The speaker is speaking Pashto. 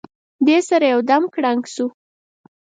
دې سره یو دم کړنګ شو.